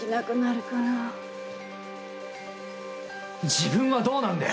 自分はどうなんだよ！